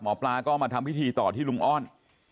หมอปลาก็มาทำพิธีต่อที่ลุงอ้อน